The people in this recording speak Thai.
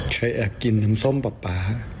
เคยแอบกินน้ำส้มปลา